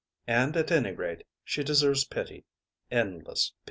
And at any rate she deserves pity, endless pity.